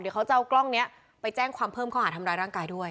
เดี๋ยวเขาจะเอากล้องนี้ไปแจ้งความเพิ่มข้อหาทำร้ายร่างกายด้วย